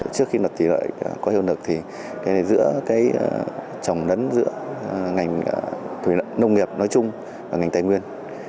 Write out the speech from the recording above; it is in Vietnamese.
trước khi luật thủy lợi có hiệu lực thì cái này giữa cái trồng đấn giữa ngành nông nghiệp nói chung và ngành tài nguyên